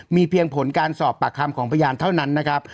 มีเพียงผลการสอบปากคำของพยานเท่านั้นนะครับ